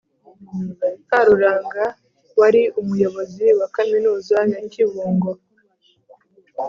Karuranga wari Umuyobozi wa Kaminuza ya Kibungo,